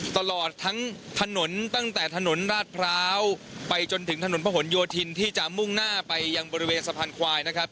ตลอดทั้งถนนตั้งแต่ถนนราชพร้าวไปจนถึงถนนพระหลโยธินที่จะมุ่งหน้าไปยังบริเวณสะพานควายนะครับ